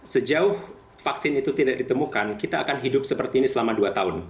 sejauh vaksin itu tidak ditemukan kita akan hidup seperti ini selama dua tahun